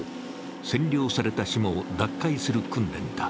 占領された島を奪回する訓練だ。